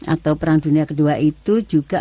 atau perang dunia ii itu juga